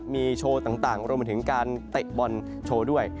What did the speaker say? มีโชว์ต่างรวมถึงการเตะบอลโชว์ด้วย